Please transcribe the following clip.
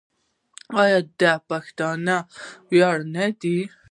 آیا دا د پښتنو ویاړ نه دی؟